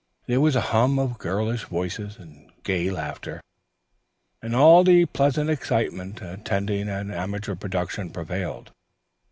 There was a hum of girlish voices and gay laughter, and all the pleasant excitement attending an amateur production prevailed.